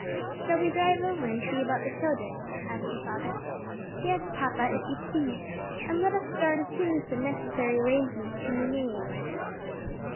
"Shall we drive over and see about the children?" asked her father. "Yes, papa, if you please, and let us start as soon as the necessary arrangements can be made."